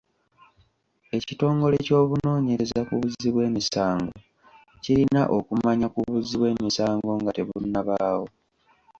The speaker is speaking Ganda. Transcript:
Ekitongole ky'obunoonyereza ku buzzi bw'emisango kirina okumanya ku buzzi bw'emisango nga tebunnabaawo.